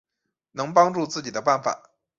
能帮助自己的办法